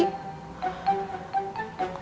kemana sih tut